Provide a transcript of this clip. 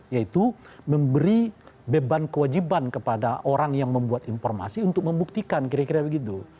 yaitu memberi beban kewajiban kepada orang yang membuat informasi untuk membuktikan kira kira begitu